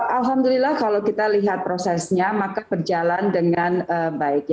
alhamdulillah kalau kita lihat prosesnya maka berjalan dengan baik